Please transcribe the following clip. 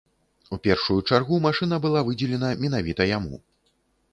У першую чаргу машына была выдзелена менавіта яму.